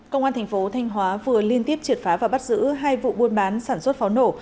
công an thành phố thanh hóa vừa liên tiếp triệt phá và bắt giữ hai vụ buôn bán sản xuất pháo nổ